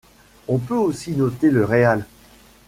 On peut aussi noter le Réal.